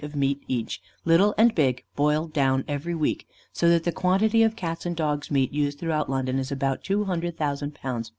of meat each, little and big, boiled down every week; so that the quantity of cats' and dogs' meat used throughout London is about 200,000 lbs.